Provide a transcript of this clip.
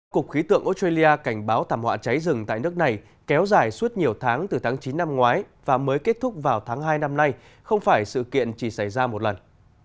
cục khí tượng australia cảnh báo thảm họa cháy rừng tại nước này kéo dài suốt nhiều tháng từ tháng chín năm ngoái và mới kết thúc vào tháng hai năm nay không phải sự kiện chỉ xảy ra một lần